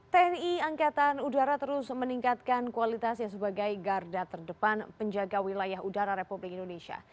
tni angkatan udara terus meningkatkan kualitasnya sebagai garda terdepan penjaga wilayah udara republik indonesia